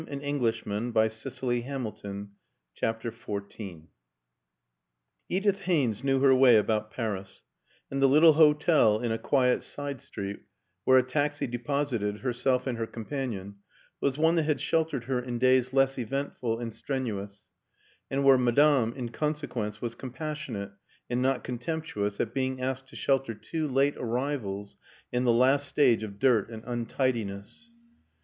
and he almost looked round for Griselda. CHAPTER XIV EDITH HAYNES knew her way about Paris; and the little hotel in a quiet side street, where a taxi deposited herself and her companion, was one that had sheltered her in days less eventful and strenuous, and where Ma dame, in consequence, was compassionate and not contemptuous at being asked to shelter two late arrivals in the last stage of dirt and untidiness.